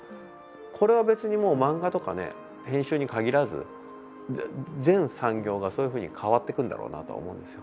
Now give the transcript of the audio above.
これは別にもう漫画とかね編集に限らず全産業がそういうふうに変わってくんだろうなとは思うんですよ。